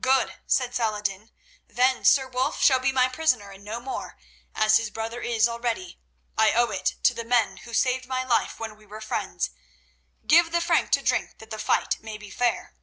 "Good," said Saladin. "Then Sir Wulf shall be my prisoner and no more, as his brother is already. I owe it to the men who saved my life when we were friends. Give the Frank to drink that the fight may be fair."